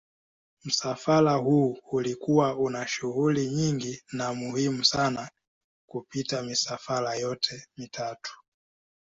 Msafara huu ulikuwa una shughuli nyingi na muhimu sana kupita misafara yote mitatu.